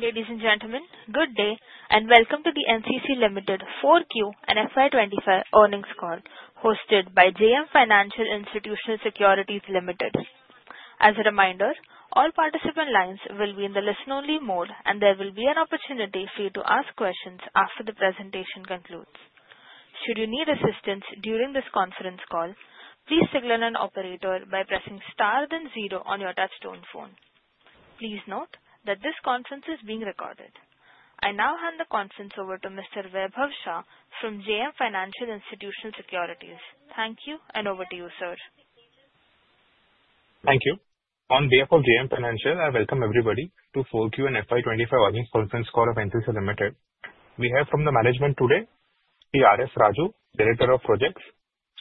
Ladies and gentlemen, good day and welcome to the NCC Limited 4Q and FY25 earnings call, hosted by JM Financial Institutional Securities Limited. As a reminder, all participant lines will be in the listen-only mode, and there will be an opportunity for you to ask questions after the presentation concludes. Should you need assistance during this conference call, please signal an operator by pressing star then zero on your touchtone phone. Please note that this conference is being recorded. I now hand the conference over to Mr. Vaibhav Shah from JM Financial Institutional Securities. Thank you, and over to you, sir. Thank you. On behalf of JM Financial, I welcome everybody to the 4Q and FY25 earnings conference call of NCC Limited. We have from the management today: R. S. Raju, Director of Projects,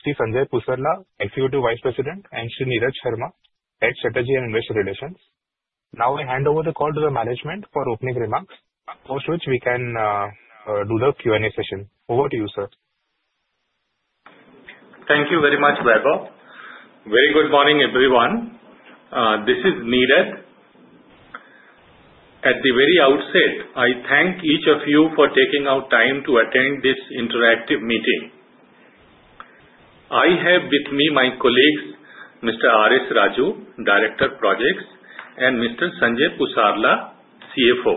Sanjay Pusarla, Executive Vice President, and Mr. Neerad Sharma, Head Strategy and Investor Relations. Now I hand over the call to the management for opening remarks, after which we can do the Q&A session. Over to you, sir. Thank you very much, Vaibhav. Very good morning, everyone. This is Neeraj. At the very outset, I thank each of you for taking out time to attend this interactive meeting. I have with me my colleagues, Mr. R. S. Raju, Director of Projects, and Mr. Sanjay Pusarla, CFO.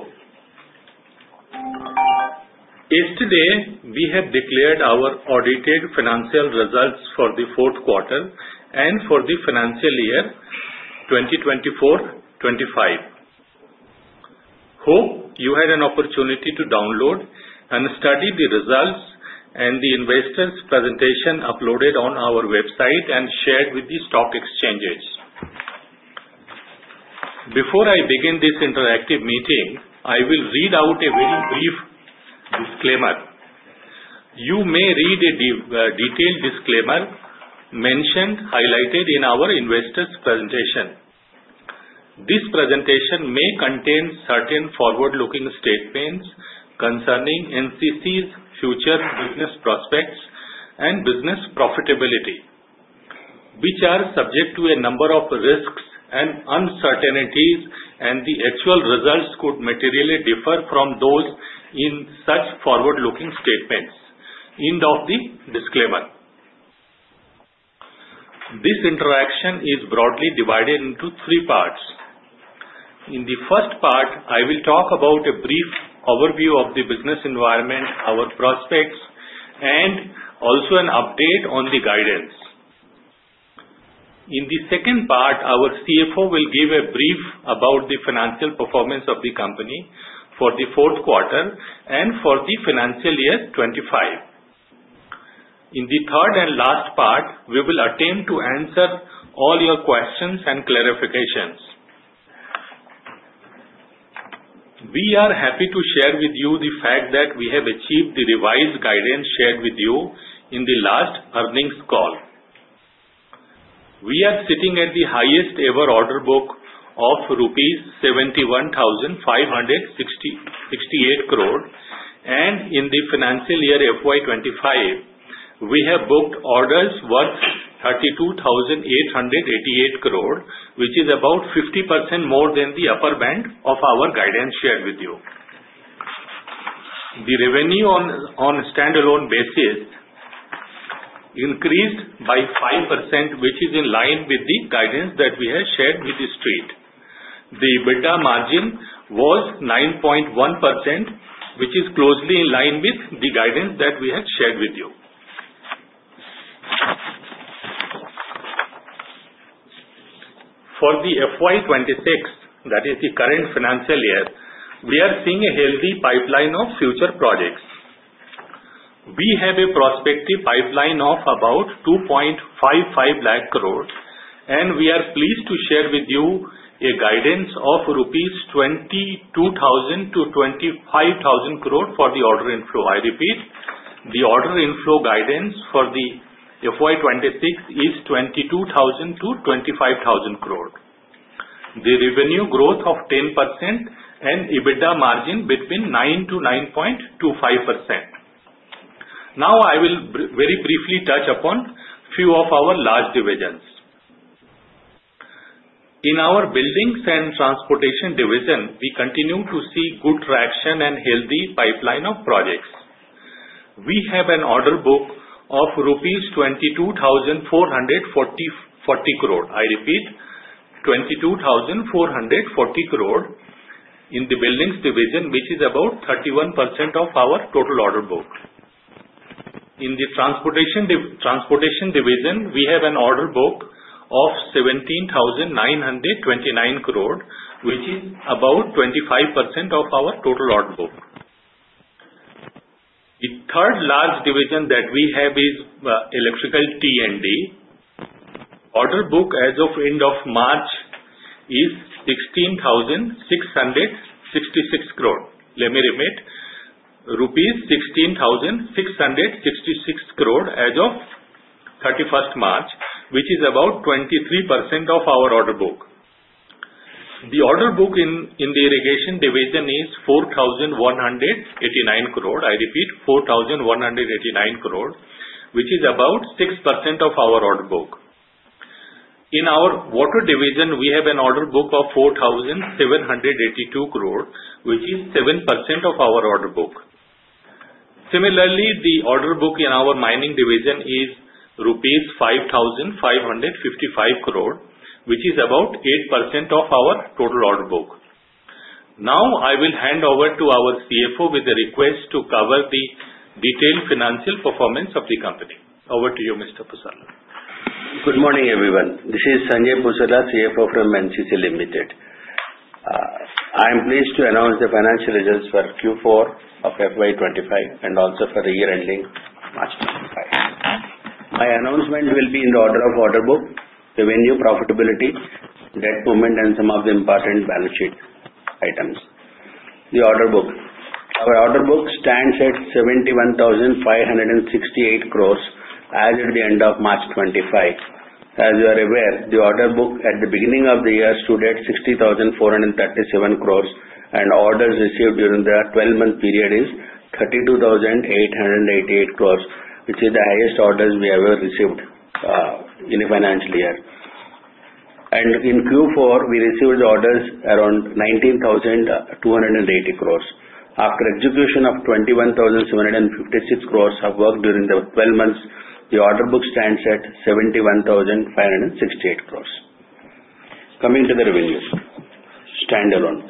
Yesterday, we have declared our audited financial results for the fourth quarter and for the financial year 2024-25. Hope you had an opportunity to download and study the results and the investors' presentation uploaded on our website and shared with the stock exchanges. Before I begin this interactive meeting, I will read out a very brief disclaimer. You may read a detailed disclaimer mentioned, highlighted in our investors' presentation. This presentation may contain certain forward-looking statements concerning NCC's future business prospects and business profitability, which are subject to a number of risks and uncertainties, and the actual results could materially differ from those in such forward-looking statements. End of the disclaimer. This interaction is broadly divided into three parts. In the first part, I will talk about a brief overview of the business environment, our prospects, and also an update on the guidance. In the second part, our CFO will give a brief about the financial performance of the company for the fourth quarter and for the financial year 2025. In the third and last part, we will attempt to answer all your questions and clarifications. We are happy to share with you the fact that we have achieved the revised guidance shared with you in the last earnings call. We are sitting at the highest-ever order book of 71,568 crore rupees, and in the financial year FY25, we have booked orders worth 32,888 crore, which is about 50% more than the upper band of our guidance shared with you. The revenue on a standalone basis increased by 5%, which is in line with the guidance that we have shared with the street. The EBITDA margin was 9.1%, which is closely in line with the guidance that we have shared with you. For the FY26, that is the current financial year, we are seeing a healthy pipeline of future projects. We have a prospective pipeline of about 2.55 lakh crore, and we are pleased to share with you a guidance of 22,000-25,000 crore rupees for the order inflow. I repeat, the order inflow guidance for the FY26 is 22,000-25,000 crore. The revenue growth is 10% and EBITDA margin between 9%-9.25%. Now, I will very briefly touch upon a few of our large divisions. In our Buildings and Transportation Division, we continue to see good traction and a healthy pipeline of projects. We have an order book of ₹22,440 crore. I repeat, ₹22,440 crore in the buildings division, which is about 31% of our total order book. In the transportation division, we have an order book of ₹17,929 crore, which is about 25% of our total order book. The third large division that we have is Electrical (T&D) Division. Order book as of end of March is ₹16,666 crore. Let me repeat, ₹16,666 crore as of 31st March, which is about 23% of our order book. The order book in the Irrigation Division is ₹4,189 crore. I repeat, ₹4,189 crore, which is about 6% of our order book. In our Water Division, we have an order book of 4,782 crore rupees, which is 7% of our order book. Similarly, the order book in our Mining Division is 5,555 crore rupees, which is about 8% of our total order book. Now, I will hand over to our CFO with a request to cover the detailed financial performance of the company. Over to you, Mr. Pusarla. Good morning, everyone. This is Sanjay Pusarla, CFO from NCC Limited. I am pleased to announce the financial results for Q4 of FY25 and also for the year ending March 2025. My announcement will be in the order of order book, revenue, profitability, debt payment, and some of the important balance sheet items. The order book. Our order book stands at 71,568 crore as of the end of March 2025. As you are aware, the order book at the beginning of the year stood at 60,437 crore, and orders received during the 12-month period is 32,888 crore, which is the highest orders we ever received in a financial year. And in Q4, we received orders around 19,280 crore. After execution of 21,756 crore of work during the 12 months, the order book stands at 71,568 crore. Coming to the revenues, standalone,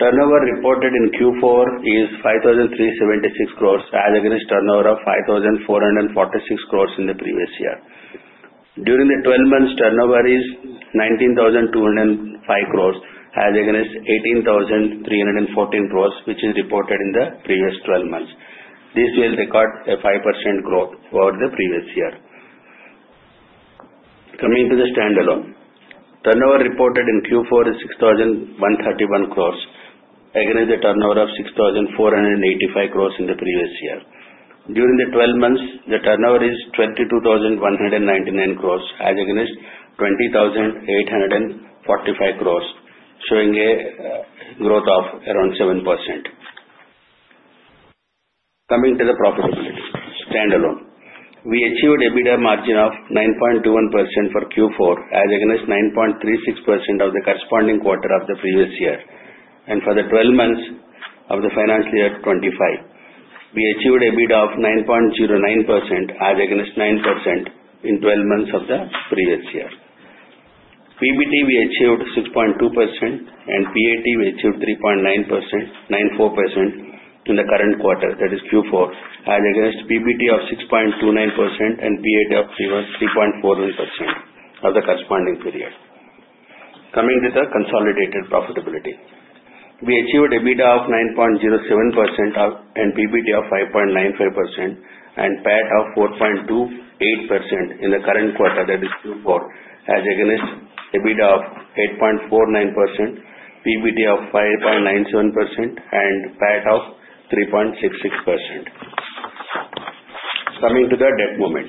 turnover reported in Q4 is ₹5,376 crore as against turnover of ₹5,446 crore in the previous year. During the 12 months, turnover is ₹19,205 crore as against ₹18,314 crore, which is reported in the previous 12 months. This will record a 5% growth over the previous year. Coming to the standalone, turnover reported in Q4 is ₹6,131 crore against the turnover of ₹6,485 crore in the previous year. During the 12 months, the turnover is ₹22,199 crore as against ₹20,845 crore, showing a growth of around 7%. Coming to the profitability, standalone, we achieved EBITDA margin of 9.21% for Q4 as against 9.36% of the corresponding quarter of the previous year. And for the 12 months of the financial year 25, we achieved EBITDA of 9.09% as against 9% in 12 months of the previous year. PBT we achieved 6.2%, and PAT we achieved 3.9%, 94% in the current quarter, that is Q4, as against PBT of 6.29% and PAT of 3.41% of the corresponding period. Coming to the consolidated profitability, we achieved EBITDA of 9.07% and PBT of 5.95% and PAT of 4.28% in the current quarter, that is Q4, as against EBITDA of 8.49%, PBT of 5.97%, and PAT of 3.66%. Coming to the debt moment,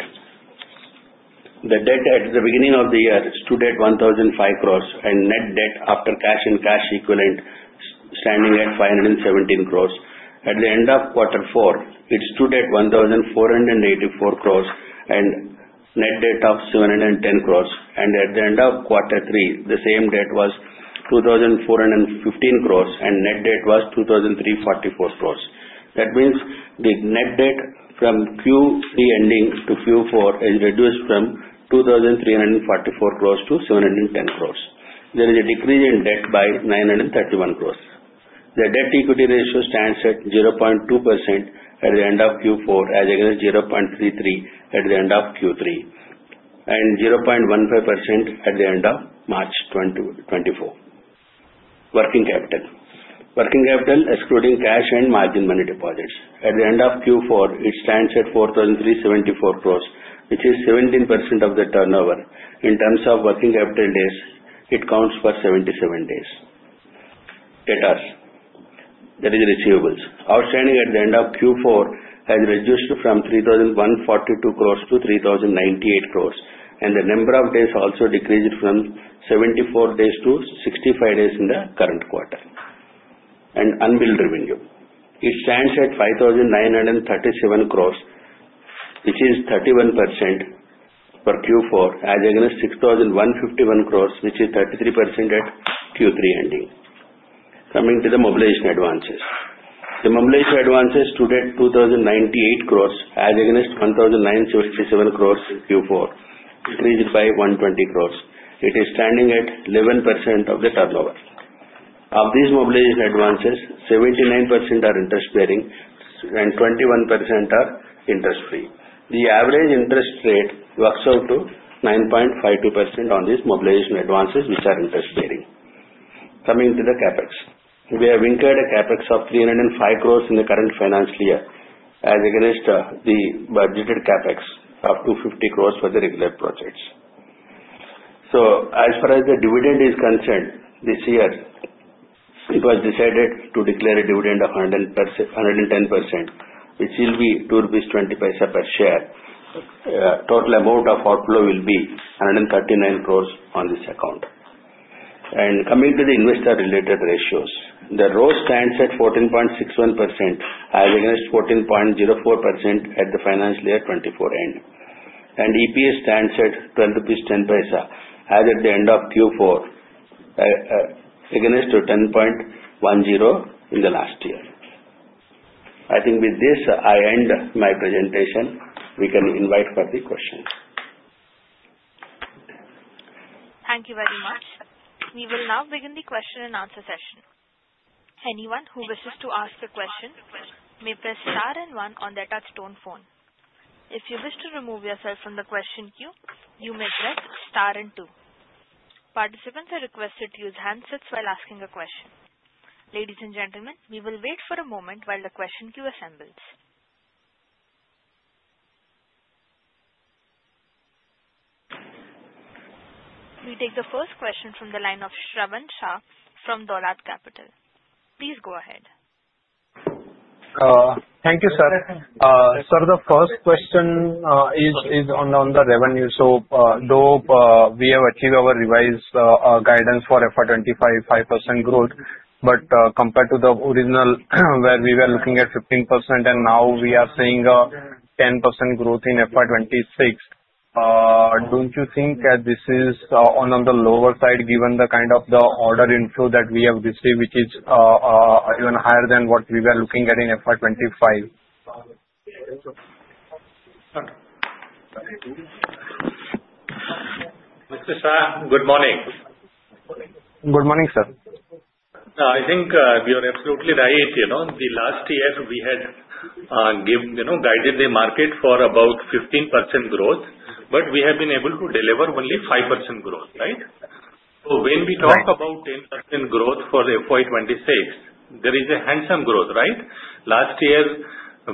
the debt at the beginning of the year stood at 1,005 crore, and net debt after cash and cash equivalent standing at 517 crore. At the end of quarter four, it stood at 1,484 crore and net debt of 710 crore. And at the end of quarter three, the same debt was 2,415 crore and net debt was 2,344 crore. That means the net debt from Q3 ending to Q4 is reduced from 2,344 crore to 710 crore. There is a decrease in debt by ₹931 crore. The debt equity ratio stands at 0.2% at the end of Q4, as against 0.33% at the end of Q3, and 0.15% at the end of March 24. Working capital, excluding cash and margin money deposits, at the end of Q4, it stands at ₹4,374 crore, which is 17% of the turnover. In terms of working capital days, it counts for 77 days. Debtors, that is receivables, outstanding at the end of Q4 has reduced from ₹3,142 crore to ₹3,098 crore, and the number of days also decreased from 74 days to 65 days in the current quarter. Unbilled revenue stands at ₹5,937 crore, which is 31% for Q4, as against ₹6,151 crore, which is 33% at Q3 ending. Coming to the mobilization advances, the mobilization advances stood at INR 2,098 crore, as against 1,957 crore in Q4, increased by 120 crore. It is standing at 11% of the turnover. Of these mobilization advances, 79% are interest-bearing and 21% are interest-free. The average interest rate works out to 9.52% on these mobilization advances, which are interest-bearing. Coming to the CapEx, we have incurred a CapEx of 305 crore in the current financial year, as against the budgeted CapEx of 250 crore for the regular projects. So, as far as the dividend is concerned, this year, it was decided to declare a dividend of 110%, which will be 2.20 rupees per share. Total amount of outflow will be 139 crore on this account. And coming to the investor-related ratios, the ROS stands at 14.61%, as against 14.04% at the financial year 2024 end. EPS stands at 12.10 rupees, as at the end of Q4, against 10.10 in the last year. I think with this, I end my presentation. We can invite for the questions. Thank you very much. We will now begin the question and answer session. Anyone who wishes to ask a question may press star and one on their touch-tone phone. If you wish to remove yourself from the question queue, you may press star and two. Participants are requested to use handsets while asking a question. Ladies and gentlemen, we will wait for a moment while the question queue assembles. We take the first question from the line of Shravan Shah from Dolat Capital. Please go ahead. Thank you, sir. Sir, the first question is on the revenue. So, though we have achieved our revised guidance for FY25, 5% growth, but compared to the original where we were looking at 15%, and now we are seeing a 10% growth in FY26, don't you think that this is on the lower side given the kind of the order inflow that we have received, which is even higher than what we were looking at in FY25? Mr. Shah, good morning. Good morning, sir. I think you are absolutely right. The last year, we had guided the market for about 15% growth, but we have been able to deliver only 5% growth, right? So when we talk about 10% growth for FY26, there is a handsome growth, right? Last year,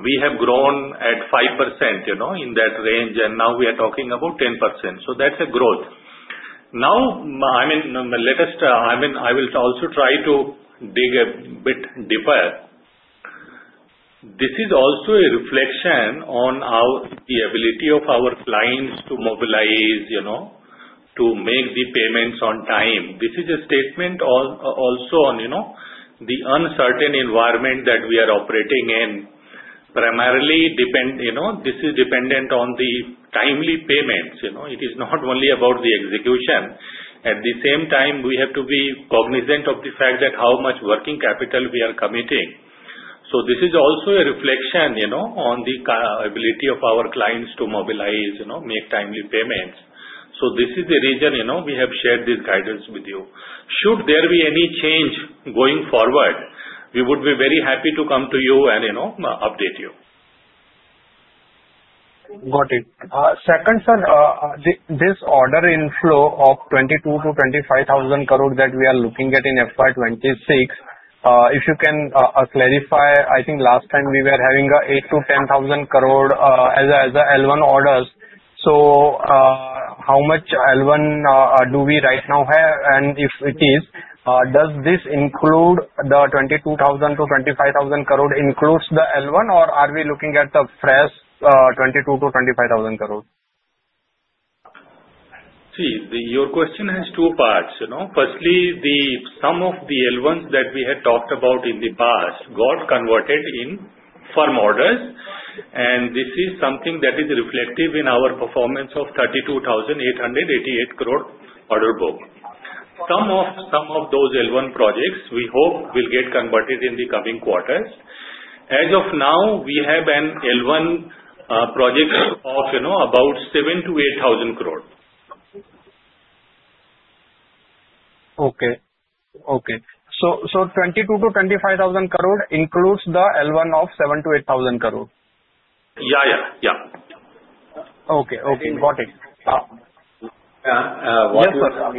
we have grown at 5% in that range, and now we are talking about 10%. So that's a growth. Now, I mean, the latest, I mean, I will also try to dig a bit deeper. This is also a reflection on the ability of our clients to mobilize, to make the payments on time. This is a statement also on the uncertain environment that we are operating in. Primarily, this is dependent on the timely payments. It is not only about the execution. At the same time, we have to be cognizant of the fact that how much working capital we are committing. So this is also a reflection on the ability of our clients to mobilize, make timely payments. So this is the reason we have shared this guidance with you. Should there be any change going forward, we would be very happy to come to you and update you. Got it. Second, sir, this order inflow of 22,000-25,000 crore that we are looking at in FY26, if you can clarify, I think last time we were having 8,000-10,000 crore as L1 orders. So how much L1 do we right now have? And if it is, does this include the 22,000-25,000 crore include the L1, or are we looking at the fresh 22,000-25,000 crore? See, your question has two parts. Firstly, the sum of the L1s that we had talked about in the past got converted in firm orders, and this is something that is reflective in our performance of 32,888 crore order book. Some of those L1 projects, we hope, will get converted in the coming quarters. As of now, we have an L1 project of about 7,000-8,000 crore. So 22,000-25,000 crore includes the L1 of 7,000-8,000 crore? Yeah, yeah. Yeah. Okay. Okay. Got it. Yeah. Yes, sir.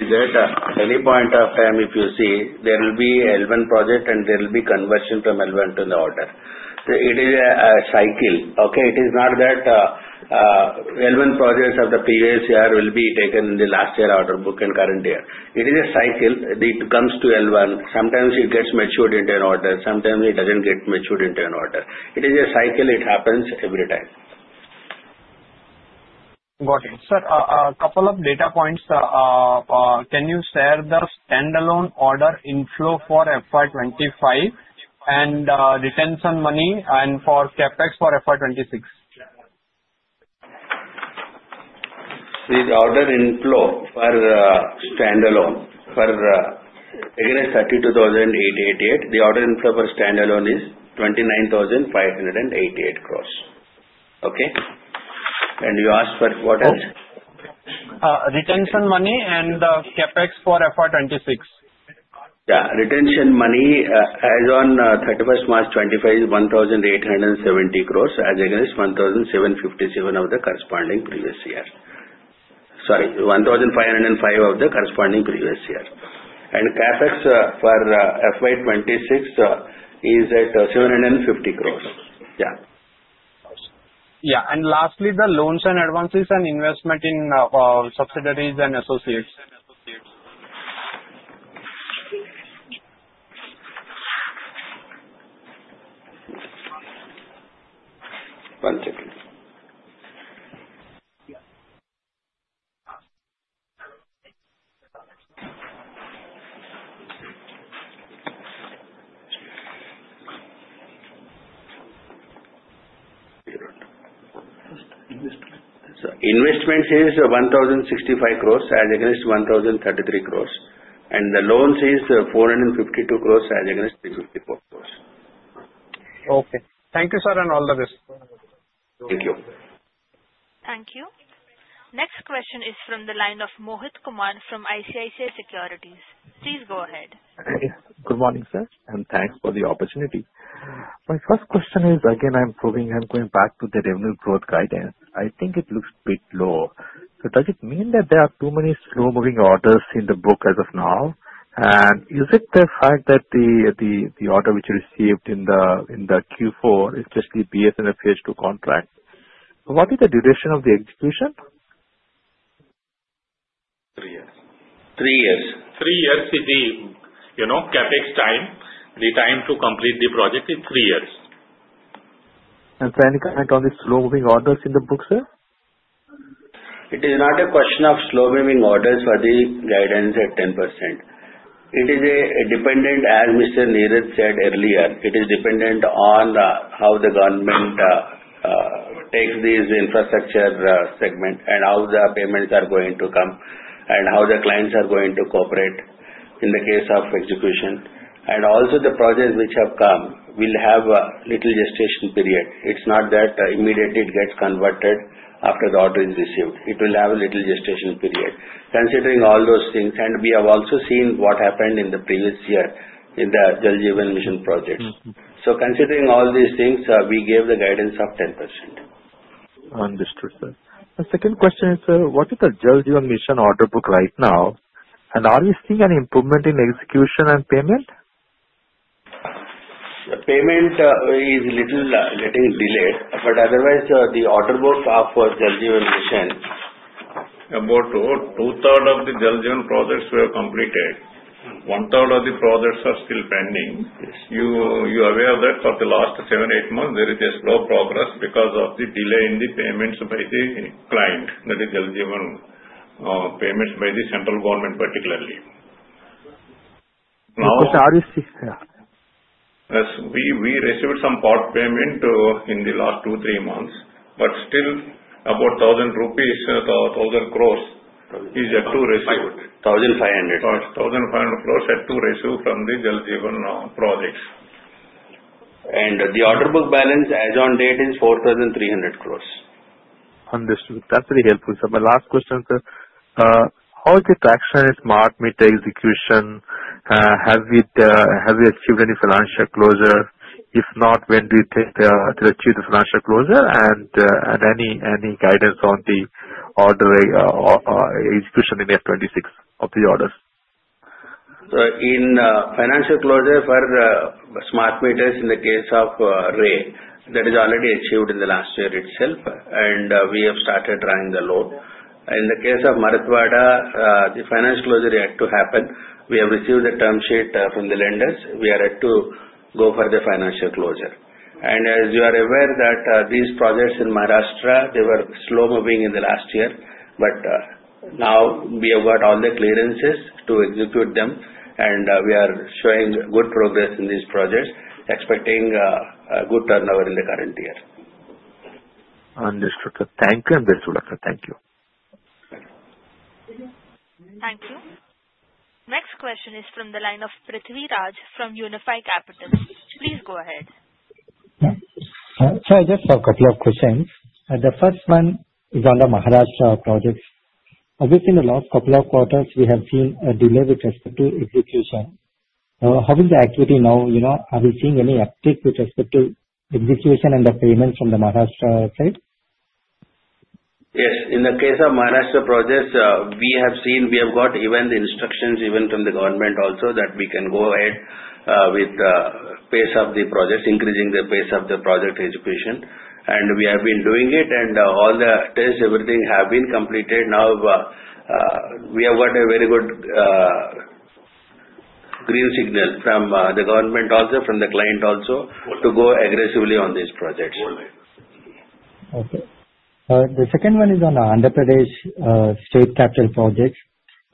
Is that at any point of time, if you see, there will be L1 project, and there will be conversion from L1 to the order. It is a cycle. Okay? It is not that L1 projects of the previous year will be taken in the last year order book and current year. It is a cycle. It comes to L1. Sometimes it gets matured into an order. Sometimes it doesn't get matured into an order. It is a cycle. It happens every time. Got it. Sir, a couple of data points. Can you share the standalone order inflow for FY25 and retention money and for CapEx for FY26? See, the order inflow for standalone, again, ₹32,888; the order inflow for standalone is ₹29,588 crore. Okay? And you asked for what else? Retention money and CapEx for FY26. Yeah. Retention money as on 31st March 2025 is 1,870 crore, as against 1,757 of the corresponding previous year. Sorry, 1,505 of the corresponding previous year. And CapEx for FY26 is at 750 crore. Yeah. Yeah. And lastly, the loans and advances and investment in subsidiaries and associates. One second. So investment is ₹1,065 crore, as against ₹1,033 crore. And the loans is ₹452 crore, as against ₹354 crore. Okay. Thank you, sir, and all the best. Thank you. Thank you. Next question is from the line of Mohit Kumar from ICICI Securities. Please go ahead. Good morning, sir, and thanks for the opportunity. My first question is, again, I'm going back to the revenue growth guidance. I think it looks a bit low. So does it mean that there are too many slow-moving orders in the book as of now? And is it the fact that the order which you received in the Q4, especially BS and the Phase II contract, what is the duration of the execution? Three years. Three years. Three years is the CapEx time. The time to complete the project is three years. And for any kind of slow-moving orders in the book, sir? It is not a question of slow-moving orders for the guidance at 10%. It is dependent, as Mr. Neeraj said earlier, it is dependent on how the government takes these infrastructure segments and how the payments are going to come and how the clients are going to cooperate in the case of execution. And also, the projects which have come will have a little gestation period. It's not that immediately it gets converted after the order is received. It will have a little gestation period. Considering all those things, and we have also seen what happened in the previous year in the Jal Jeevan Mission project, so considering all these things, we gave the guidance of 10%. Understood, sir. The second question is, sir, what is the Jal Jeevan Mission order book right now? And are you seeing any improvement in execution and payment? Payments are a little getting delayed, but otherwise, the order book for Jal Jeevan Mission, about two-thirds of the Jal Jeevan projects were completed. One-third of the projects are still pending. You are aware of that for the last seven, eight months, there is a slow progress because of the delay in the payments by the client, that is, Jal Jeevan payments by the central government particularly. Okay. Are you seeing that? Yes. We received some part payment in the last two, three months, but still about 1,000 crore rupees is yet to receive. ₹1,500. 1,500 crore yet to receive from the Jal Jeevan projects. The order book balance as on date is 4,300 crore. Understood. That's very helpful, sir. My last question, sir, how is the traction in smart meter execution? Have we achieved any financial closure? If not, when do you think they'll achieve the financial closure? And any guidance on the order execution in FY26 of the orders? In financial closure for smart meters in the case of Bihar, that is already achieved in the last year itself, and we have started running the loan. In the case of Marathwada, the financial closure yet to happen. We have received the term sheet from the lenders. We are yet to go for the financial closure. And as you are aware, these projects in Maharashtra, they were slow-moving in the last year, but now we have got all the clearances to execute them, and we are showing good progress in these projects, expecting a good turnover in the current year. Understood, sir. Thank you, and very good luck. Thank you. Thank you. Next question is from the line of Prithviraj from Unifi Capital. Please go ahead. Sir, I just have a couple of questions. The first one is on the Maharashtra projects. Obviously, in the last couple of quarters, we have seen a delay with respect to execution. How is the activity now? Are we seeing any uptick with respect to execution and the payments from the Maharashtra side? Yes. In the case of Maharashtra projects, we have seen we have got even the instructions even from the government also that we can go ahead with the pace of the projects, increasing the pace of the project execution, and we have been doing it, and all the tests, everything have been completed. Now, we have got a very good green signal from the government also, from the client also, to go aggressively on these projects. Okay. The second one is on the Andhra Pradesh State Capital projects.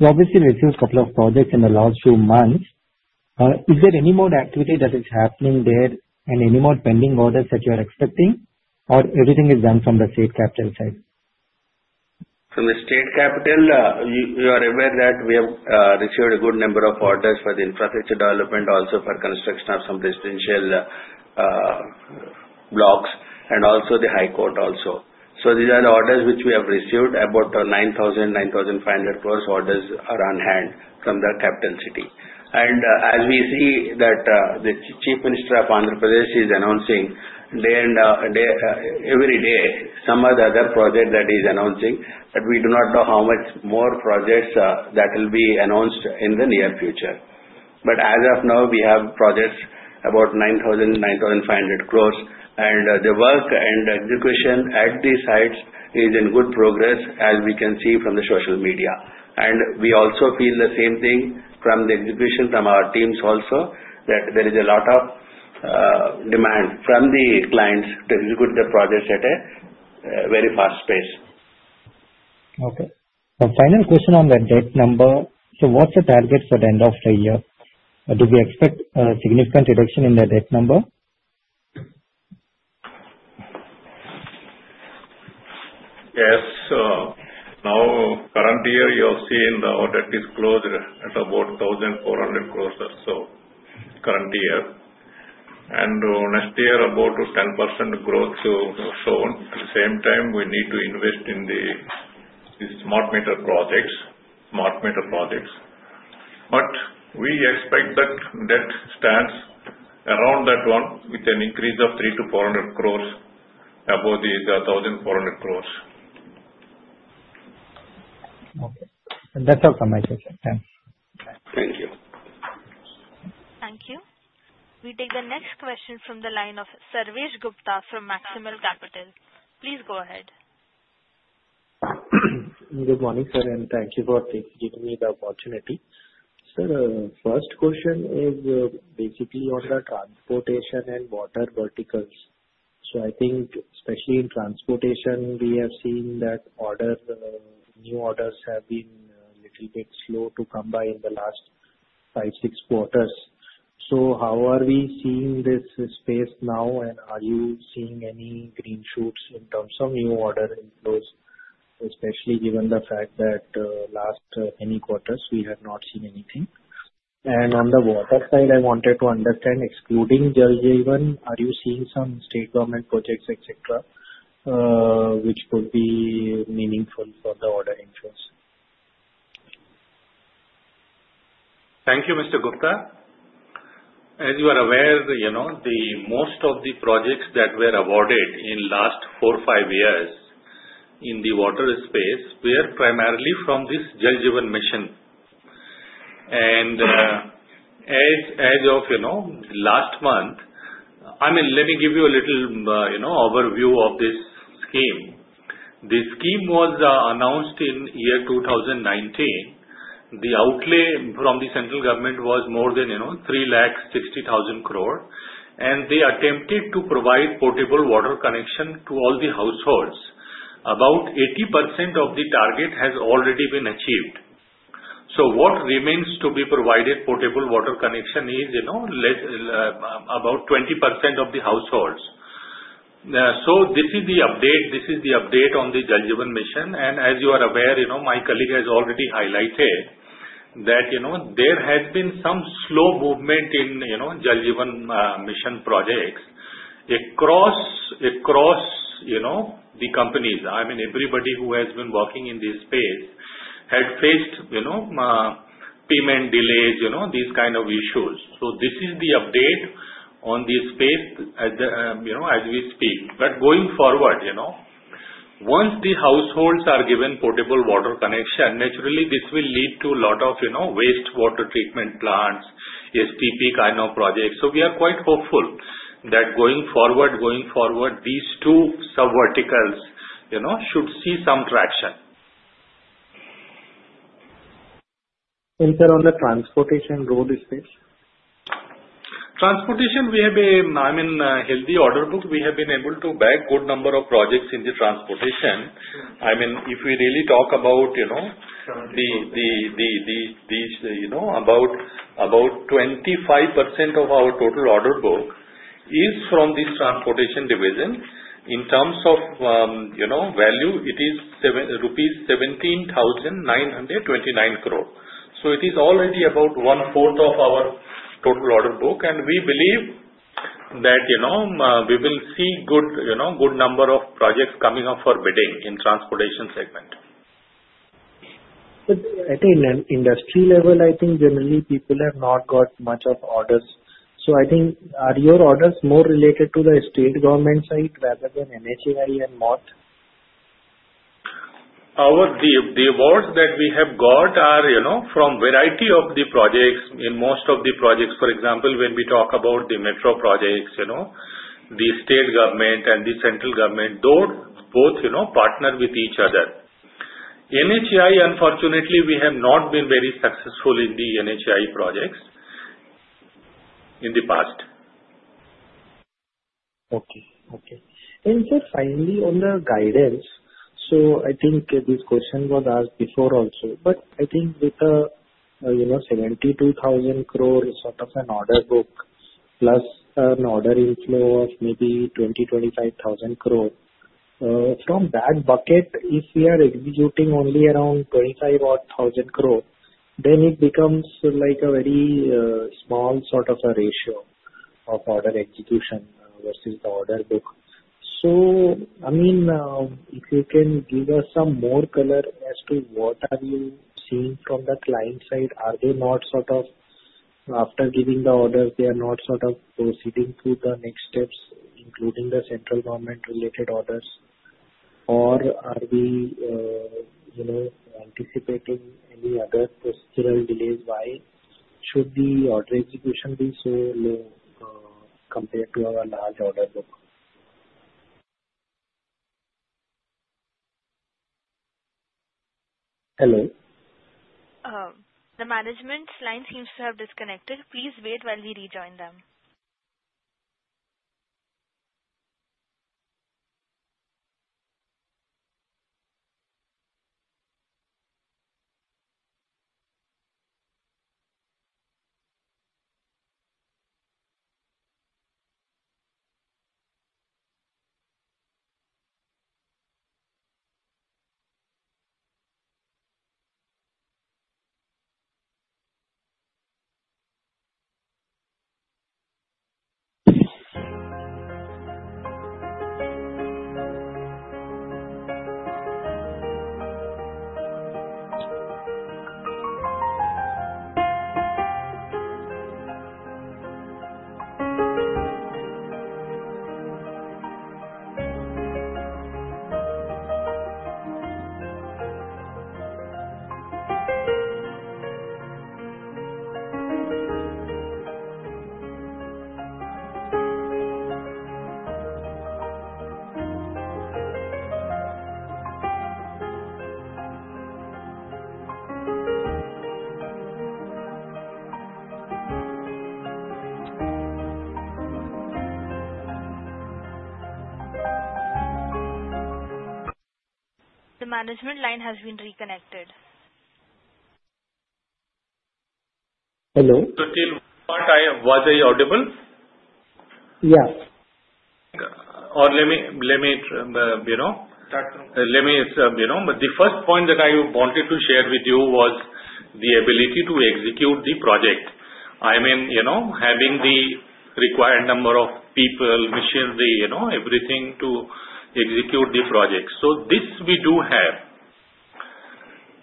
We obviously received a couple of projects in the last few months. Is there any more activity that is happening there and any more pending orders that you are expecting, or everything is done from the State Capital side? From the State Capital, you are aware that we have received a good number of orders for the infrastructure development, also for construction of some residential blocks, and also the High Court also, so these are the orders which we have received. About 9,000-9,500 crore orders are on hand from the capital city, and as we see that the Chief Minister of Andhra Pradesh is announcing every day some of the other projects that he is announcing, but we do not know how much more projects that will be announced in the near future, but as of now, we have projects about 9,000-9,500 crore, and the work and execution at these sites is in good progress, as we can see from the social media. We also feel the same thing from the execution from our teams also, that there is a lot of demand from the clients to execute the projects at a very fast pace. Okay. And final question on the debt number. So what's the target for the end of the year? Do we expect a significant reduction in the debt number? Yes, so now, current year, you're seeing the order is closed at about ₹1,400 crore so current year, and next year, about 10% growth shown. At the same time, we need to invest in the smart meter projects, smart meter projects. We expect that debt stands around that one with an increase of ₹300-₹400 crore above the ₹1,400 crore. Okay. That's all from my side, sir. Thanks. Thank you. Thank you. We take the next question from the line of Sarvesh Gupta from Maximal Capital. Please go ahead. Good morning, sir, and thank you for giving me the opportunity. Sir, first question is basically on the transportation and water verticals. So I think, especially in transportation, we have seen that new orders have been a little bit slow to come by in the last five, six quarters. So how are we seeing this space now, and are you seeing any green shoots in terms of new order inflows, especially given the fact that last many quarters we have not seen anything? And on the water side, I wanted to understand, excluding Jal Jeevan, are you seeing some state government projects, etc., which could be meaningful for the order inflows? Thank you, Mr. Gupta. As you are aware, most of the projects that were awarded in the last four, five years in the water space were primarily from this Jal Jeevan Mission, and as of last month, I mean, let me give you a little overview of this scheme. The scheme was announced in the year 2019. The outlay from the central government was more than 360,000 crore, and they attempted to provide potable water connection to all the households. About 80% of the target has already been achieved, so what remains to be provided potable water connection is about 20% of the households, so this is the update. This is the update on the Jal Jeevan Mission, and as you are aware, my colleague has already highlighted that there has been some slow movement in Jal Jeevan Mission projects across the companies. I mean, everybody who has been working in this space had faced payment delays, these kind of issues. So this is the update on this space as we speak. But going forward, once the households are given potable water connection, naturally, this will lead to a lot of wastewater treatment plants, STP kind of projects. So we are quite hopeful that going forward, going forward, these two sub-verticals should see some traction. Sir, on the transportation road space? Transportation, we have a, I mean, healthy order book. We have been able to bag a good number of projects in the transportation. I mean, if we really talk about 25% of our total order book is from this transportation division. In terms of value, it is rupees 17,929 crore. So it is already about one-fourth of our total order book, and we believe that we will see a good number of projects coming up for bidding in the transportation segment. At an industry level, I think generally people have not got much of orders. So I think, are your orders more related to the state government side rather than NHAI and MoRTH? The awards that we have got are from a variety of the projects. In most of the projects, for example, when we talk about the metro projects, the state government and the central government, both partner with each other. NHAI, unfortunately, we have not been very successful in the NHAI projects in the past. Okay. Okay. And sir, finally, on the guidance, so I think this question was asked before also, but I think with the 72,000 crore sort of an order book plus an order inflow of maybe 20,000-25,000 crore, from that bucket, if we are executing only around 25,000 crore, then it becomes like a very small sort of a ratio of order execution versus the order book. So, I mean, if you can give us some more color as to what are you seeing from the client side, are they not sort of, after giving the orders, they are not sort of proceeding to the next steps, including the central government-related orders, or are we anticipating any other procedural delays? Why should the order execution be so low compared to our large order book? Hello? The management's line seems to have disconnected. Please wait while we rejoin them. The management line has been reconnected. Hello? Until what part was I audible? Yeah. The first point that I wanted to share with you was the ability to execute the project. I mean, having the required number of people, machinery, everything to execute the project. So this we do have.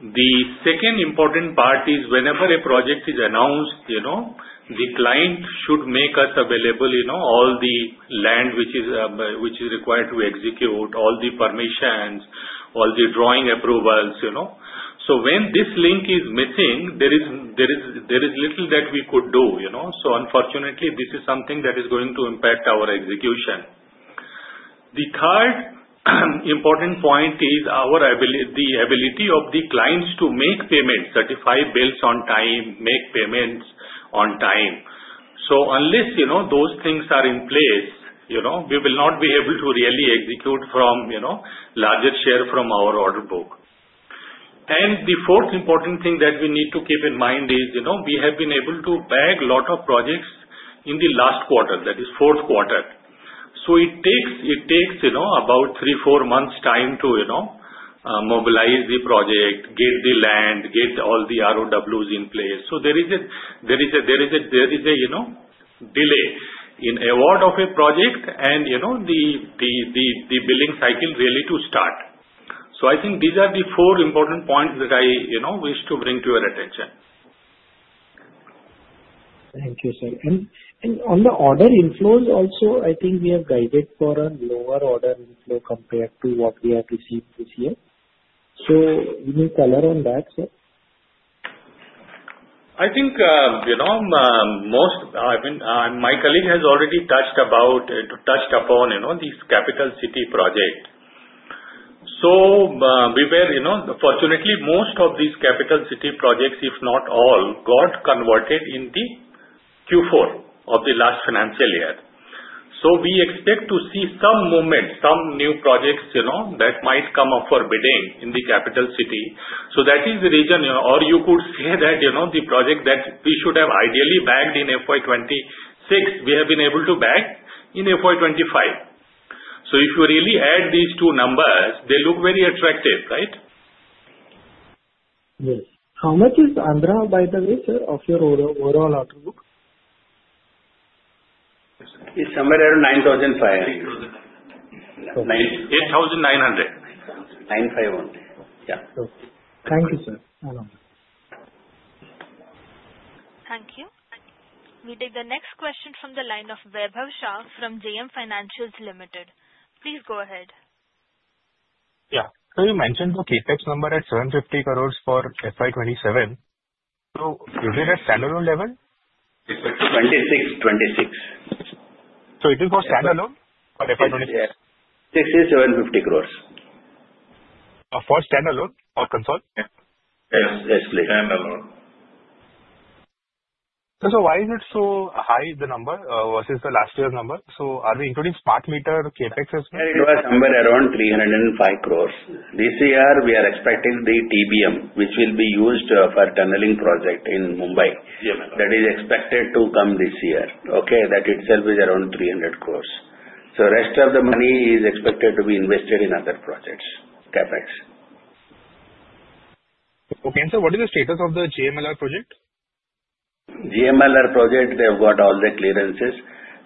The second important part is whenever a project is announced, the client should make us available all the land which is required to execute, all the permissions, all the drawing approvals. So when this link is missing, there is little that we could do. So unfortunately, this is something that is going to impact our execution. The third important point is the ability of the clients to make payments, certify bills on time, make payments on time. So unless those things are in place, we will not be able to really execute from a larger share from our order book. The fourth important thing that we need to keep in mind is we have been able to bag a lot of projects in the last quarter, that is, fourth quarter. It takes about three, four months' time to mobilize the project, get the land, get all the ROWs in place. There is a delay in the award of a project and the billing cycle really to start. I think these are the four important points that I wish to bring to your attention. Thank you, sir. And on the order inflows also, I think we have guided for a lower order inflow compared to what we have received this year. So give me color on that, sir. I think most, I mean, my colleague has already touched upon this capital city project. So we were, fortunately, most of these capital city projects, if not all, got converted in the Q4 of the last financial year. So we expect to see some movement, some new projects that might come up for bidding in the capital city. So that is the reason, or you could say that the project that we should have ideally bagged in FY26, we have been able to bag in FY25. So if you really add these two numbers, they look very attractive, right? Yes. How much is Andhra, by the way, sir, of your overall order book? It's somewhere around 9,500. 8,900. ₹9,500. Yeah. Okay. Thank you, sir. Thank you. We take the next question from the line of Vaibhav Shah from JM Financial Limited. Please go ahead. Yeah. So you mentioned the CapEx number at 750 crores for FY27. So is it at stand-alone level? It's 26, 26. So it is for stand-alone or FY26? Yes. 6 is ₹750 crores. For stand-alone or consolidate? Yes. Yes, please. Stand-alone. So why is it so high the number versus the last year's number? So are we including smart meter CapEx as well? It was somewhere around ₹305 crores. This year, we are expecting the TBM, which will be used for a tunneling project in Mumbai. That is expected to come this year. Okay? That itself is around ₹300 crores. So the rest of the money is expected to be invested in other projects, CapEx. Okay, and sir, what is the status of the GMLR project? GMLR project, they have got all the clearances.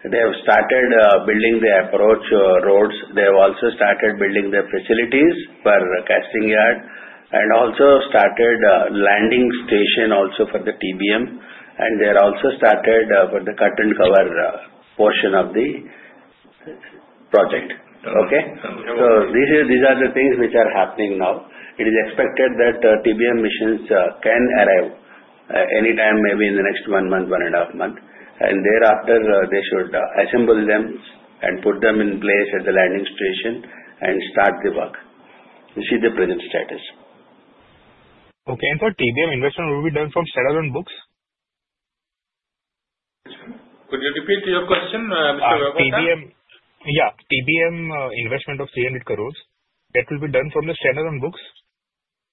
They have started building the approach roads. They have also started building the facilities for the casting yard and also started landing station also for the TBM. And they have also started for the cut-and-cover portion of the project. Okay? So these are the things which are happening now. It is expected that TBM machines can arrive anytime, maybe in the next one month, one and a half month. And thereafter, they should assemble them and put them in place at the landing station and start the work. You see the present status. Okay. And sir, TBM investment will be done from stand-alone books? Could you repeat your question, Mr. Vaibhav Shah? Yeah. TBM investment of 300 crores, that will be done from the stand-alone books?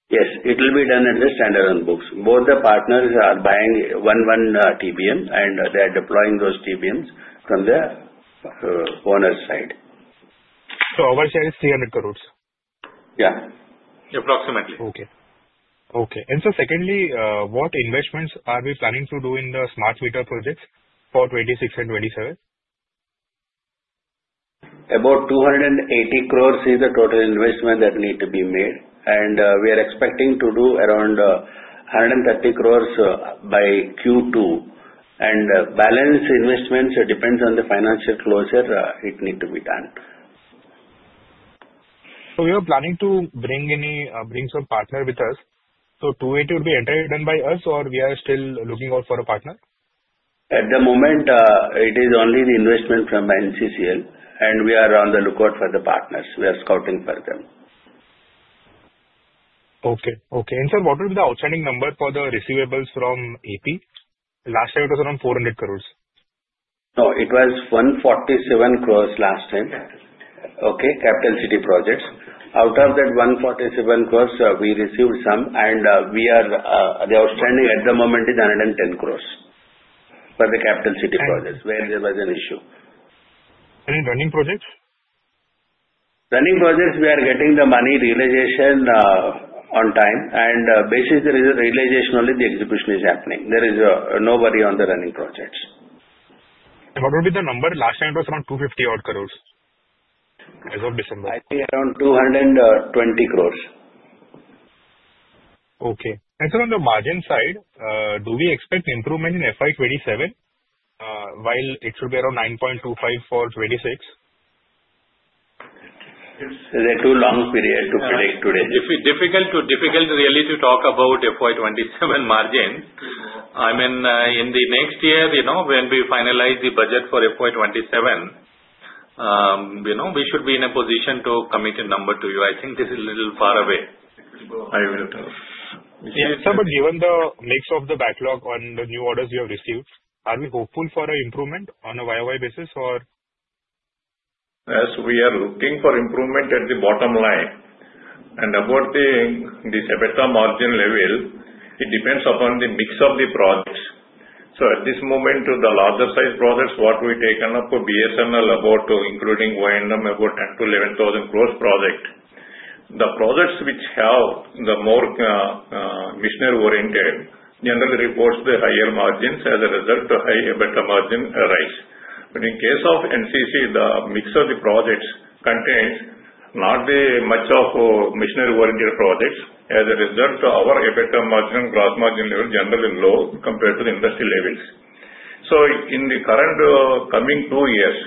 Yes. It will be done at the stand-alone books. Both the partners are buying one TBM, and they are deploying those TBMs from the owner's side. Owner's share is 300 crores? Yeah. Approximately. Okay. And sir, secondly, what investments are we planning to do in the smart meter projects for 26 and 27? About ₹280 crores is the total investment that needs to be made. We are expecting to do around ₹130 crores by Q2. Balance investments depends on the financial closure. It needs to be done. We are planning to bring some partner with us. 280 will be entirely done by us, or we are still looking out for a partner? At the moment, it is only the investment from NCCL, and we are on the lookout for the partners. We are scouting for them. Okay. Sir, what will be the outstanding number for the receivables from AP? Last time, it was around 400 crores. No. It was ₹147 crores last time. Okay? Capital city projects. Out of that ₹147 crores, we received some, and the outstanding at the moment is ₹110 crores for the capital city projects where there was an issue. Any running projects? Running projects, we are getting the money realization on time. And basic realization only, the execution is happening. There is no worry on the running projects. What will be the number? Last time, it was around ₹250 crores as of December. I think around 220 crores. Okay. And sir, on the margin side, do we expect improvement in FY27, while it should be around 9.25 for 26? It's a too long period to predict today. Difficult, really, to talk about FY27 margin. I mean, in the next year, when we finalize the budget for FY27, we should be in a position to commit a number to you. I think this is a little far away. Sir, but given the mix of the backlog on the new orders we have received, are we hopeful for an improvement on a YOY basis or? Yes. We are looking for improvement at the bottom line, and about the EBITDA margin level, it depends upon the mix of the projects. So at this moment, the larger size projects what we taken up for BSNL, including O&M, about 10,000-11,000 crore project. The projects which have the more machinery-oriented generally reports the higher margins as a result to higher EBITDA margin rise. But in case of NCC, the mix of the projects contains not much of machinery-oriented projects. As a result, our EBITDA margin and gross margin level generally low compared to the industry levels. So in the current coming two years,